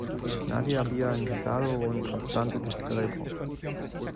Nadie había intentado un trasplante de cerebro